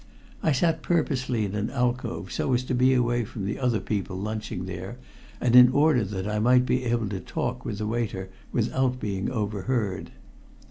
I sat purposely in an alcove, so as to be away from the other people lunching there, and in order that I might be able to talk with the waiter without being overheard.